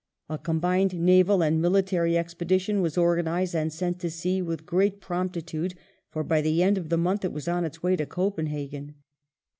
A IV COPENHAGEN 91 combined naval and military expedition was organised and sent to sea with great promptitude, for by the end of the month it was on its way to Copenhagen.